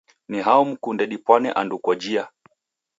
Ni hao mkunde dipwane andu kojia?